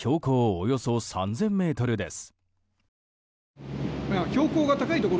およそ３０００ｍです。